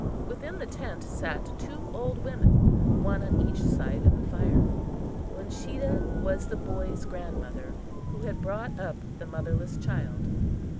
Within the tent sat two old women, one on each side of the fire. Uncheedah was the boy's grandmother, who had brought up the motherless child.